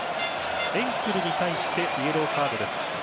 エンクルに対してイエローカードです。